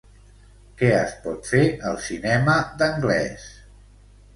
Què es pot fer al cinema d'Anglès?